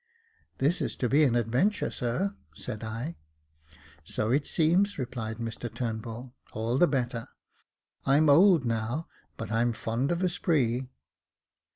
"This is to be an adventure, sir," said I. "So it seems," replied Mr Turnbull ; "all the better. I'm old now, but I'm fond of a spree."